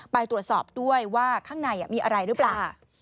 ไปตรวจสอบด้วยว่าข้างในมีอะไรหรือเปล่า